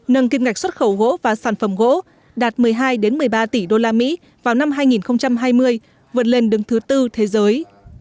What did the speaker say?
nâng kim ngạch xuất khẩu gỗ và sản phẩm gỗ đạt một mươi hai một mươi ba tỷ usd vào năm hai nghìn hai mươi vượt lên đứng thứ tư thế giới